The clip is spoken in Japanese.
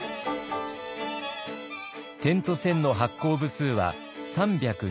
「点と線」の発行部数は３２２万部。